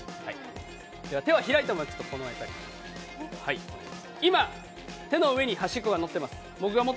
では手は開いたままこの辺に置いて今、手の上に端っこが乗っています。